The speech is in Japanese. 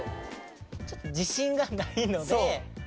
ちょっと自信がないので１５００。